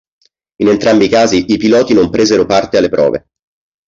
In entrambi i casi i piloti non presero parte alle prove.